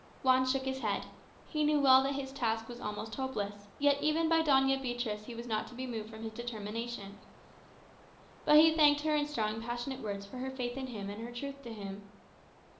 Juan shook his head. He knew well that his task was almost hopeless; yet, even by Doña Beatriz, he was not to be moved from his determination. But he thanked her in strong, passionate words for her faith in him and her truth to him.